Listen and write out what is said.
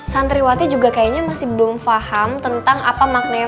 santriwati juga kayaknya masih belum paham tentang apa maknanya